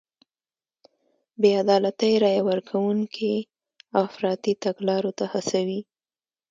بې عدالتۍ رای ورکوونکي افراطي تګلارو ته هڅوي.